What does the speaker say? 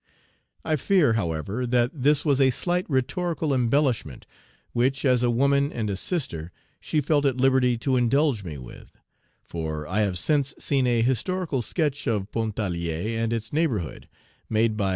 I fear, however, that this was a slight rhetorical embellishment, which, as a woman and a sister, she felt at liberty to indulge me with; for I have since seen a historical sketch of Pontarlier and its Page 350 neighborhood, made by M.